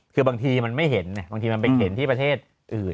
คือบางทีมันไม่เห็นบางทีมันไปเห็นที่ประเทศอื่น